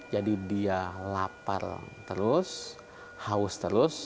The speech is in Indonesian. jadi dia lapar terus haus terus